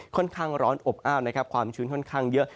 ค่อนข้างร้อนอบอ้าวนะครับความชื้นค่อนข้างเยอะ